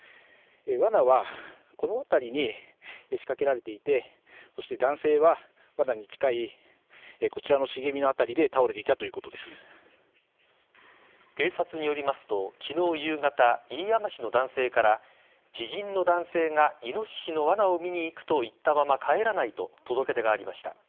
わなはこの辺りに仕掛けられていて男性は、わなに近いこちらの茂みの辺りで警察によりますと昨日夕方飯山市の男性から知人の男性がイノシシのわなを見に行くと言ったまま帰らないと届け出がありました。